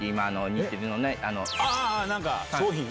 何か商品。